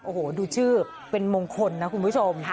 โอ้โหดูชื่อเป็นมงคลนะคุณผู้ชม